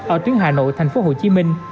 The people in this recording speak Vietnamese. ở tuyến hà nội tp hcm